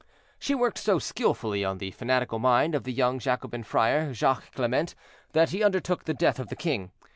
She worked so skillfully on the fanatical mind of the young Jacobin friar, Jacques Clement, that he undertook the death of the king.